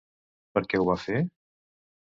Per què ho va fer?